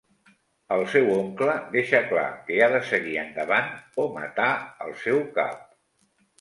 El seu oncle deixa clar que ha de seguir endavant o matar al seu cap.